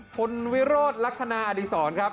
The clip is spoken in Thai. คุณวิโรธลักษณะอดีศรครับ